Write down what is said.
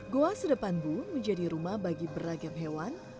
goa sedepanbu menjadi rumah bagi beragam hewan